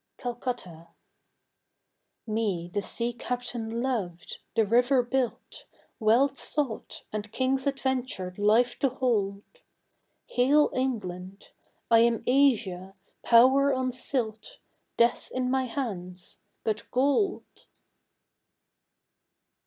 Calcutta. Me the Sea captain loved, the River built, Wealth sought and Kings adventured life to hold. Hail, England! I am Asia Power on silt, Death in my hands, but Gold!